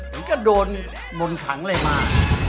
มันกระโดนมนต์ถังเลยมา